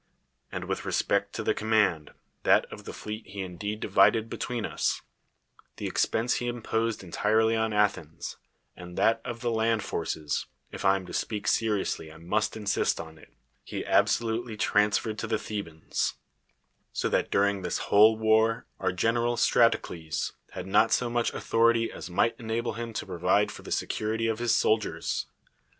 And with respect to the command, that of the fleet he indeed divided between us; the expense he imposed entirely on Athens ; and that of the land forces (if I am to speak seriously I must insist on it) he absolutely transferred to the Thebans; so that during this whole war our general Stratocles had not so much authority as might enable him to provide for the security of his soldiers.